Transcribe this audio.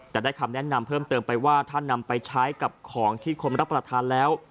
แต่ได้คำแนะนำเพิ่มเติมไปว่าถ้านำไปใช้กับของที่คนรับประทานแล้ว